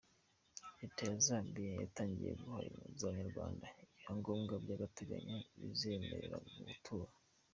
Leta ya Zambia yatangiye guha impunzi z’Abanyarwanda ibyangombwa by’agateganyo bizemerera gutura.